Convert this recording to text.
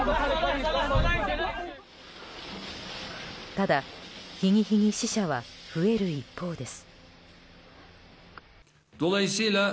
ただ、日に日に死者は増える一方です。